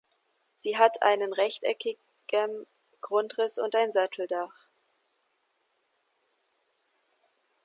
Sie hat einen rechteckigem Grundriss und ein Satteldach.